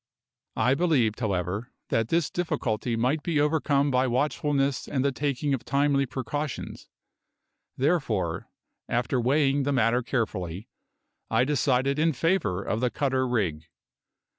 I believed, however, that this difficulty might be overcome by watchfulness and the taking of timely precautions; therefore, after weighing the matter carefully, I decided in favour of the cutter rig.